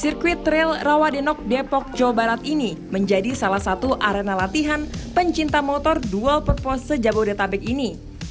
sirkuit trail rawadinok depok jawa barat ini menjadi salah satu arena latihan pencinta motor dual perpose jabodetabek ini